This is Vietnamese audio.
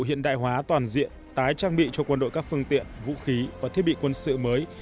hiện đại hóa toàn diện tái trang bị cho quân đội các phương tiện vũ khí và thiết bị quân sự mới